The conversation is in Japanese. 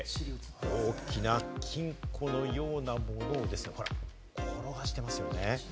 大きな金庫のようなもの転がしていますよね。